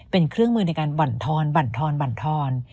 เป็นเครื่องมือในการบั่นทอน